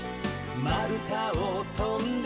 「まるたをとんで」